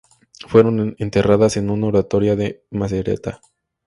Fueron enterradas en un oratorio de Macerata.